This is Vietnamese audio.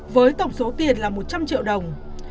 với tổng số tiền là một trăm linh triệu đồng